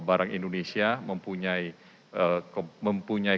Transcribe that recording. barang indonesia mempunyai